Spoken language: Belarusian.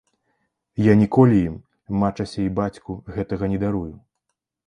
Я ніколі ім, мачасе і бацьку, гэтага не дарую.